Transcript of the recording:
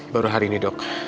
baru hari ini dok